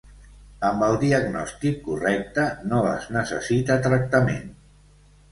Amb el diagnòstic correcte, no es necessita tractament.